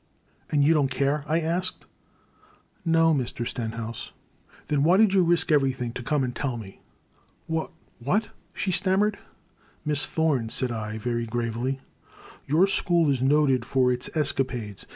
" And you don't care ?" I asked. "No, Mr. Stenhouse." 286 The Crime. Then why did you risk everything to come and tell me?" W — ^what ?*' she stammered. ''Miss Thome, said I, very gravely, your school is noted for its escapades.